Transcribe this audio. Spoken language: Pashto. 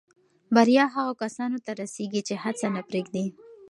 بریا هغو کسانو ته رسېږي چې هڅه نه پرېږدي.